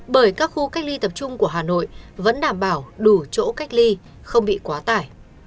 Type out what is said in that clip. bởi các khu cách ly tập trung của hà nội vẫn đảm bảo đủ chỗ cách ly không bị quá tải